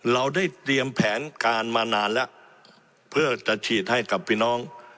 เราได้เตรียมแผนการมานานแล้วเพื่อจะฉีดให้กับพี่น้อง